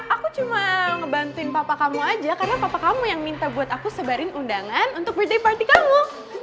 aku cuma ngebantuin papa kamu aja karena papa kamu yang minta buat aku sebarin undangan untuk building party kamu